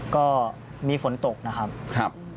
ก็มีฝนตกนะครับ